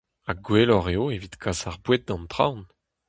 Ha gwelloc'h eo evit kas ar boued d'an traoñ !